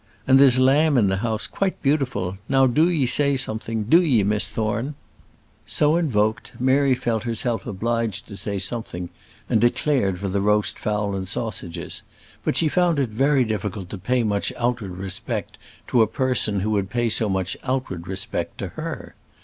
And there's lamb in the house, quite beautiful; now do 'ee say something; do 'ee, Miss Thorne." So invoked, Mary felt herself obliged to say something, and declared for the roast fowl and sausages; but she found it very difficult to pay much outward respect to a person who would pay so much outward respect to her.